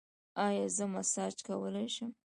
ایا زه مساج کولی شم؟